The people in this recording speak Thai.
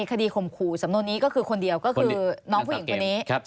ข่มขู่สำนวนนี้ก็คือคนเดียวก็คือน้องผู้หญิงคนนี้